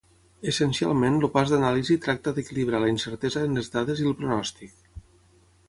Essencialment el pas d'anàlisi tracta d'equilibrar la incertesa en les dades i el pronòstic.